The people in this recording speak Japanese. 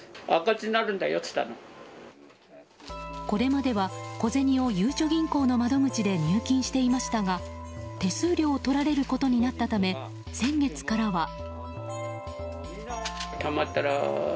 これまでは小銭をゆうちょ銀行の窓口で入金していましたが手数料を取られることになったため先月からは。